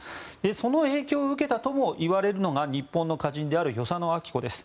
その影響を受けたともいわれるのが日本の歌人である与謝野晶子です。